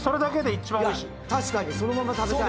確かにそのまま食べたい。